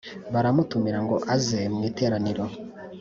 baramutumira ngo aze mu iteraniro